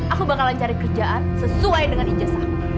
aku bakalan cari kerjaan sesuai dengan ijazahku